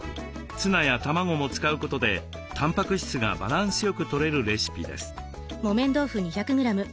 ツナや卵も使うことでたんぱく質がバランスよくとれるレシピです。